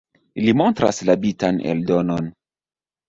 Li montras la bitan eldonon.